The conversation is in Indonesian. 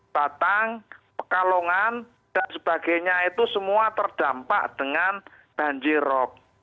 batang pekalongan dan sebagainya itu semua terdampak dengan banjirop